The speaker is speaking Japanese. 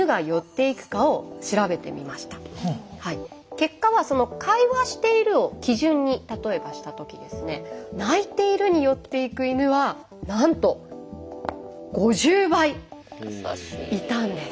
結果は「会話している」を基準に例えばした時ですね「泣いている」に寄っていく犬はなんと５０倍いたんです。